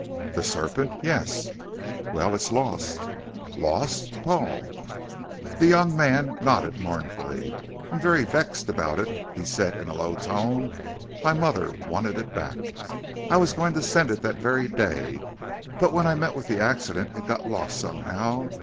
"The serpent. Yes?" "Well, it's lost." "Lost, Paul?" The young man nodded mournfully. "I'm very vexed about it," he said in a low tone; "my mother wanted it back. I was going to send it that very day, but when I met with the accident it got lost somehow.